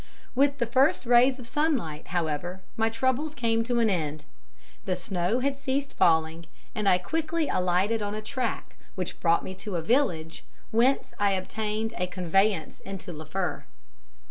With the first rays of sunlight, however, my troubles came to an end. The snow had ceased falling, and I quickly alighted on a track, which brought me to a village, whence I obtained a conveyance into Liffre.